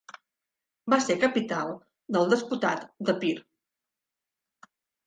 Va ser capital del Despotat d'Epir.